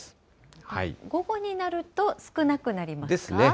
午後になると、少なくなりまですね。